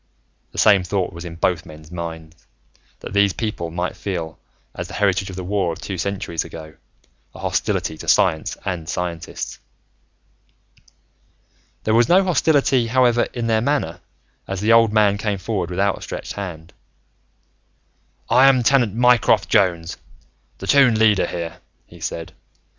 The same thought was in both men's minds, that these people might feel, as the heritage of the war of two centuries ago, a hostility to science and scientists. There was no hostility, however, in their manner as the old man came forward with outstretched hand. "I am Tenant Mycroft Jones, the Toon Leader here," he said.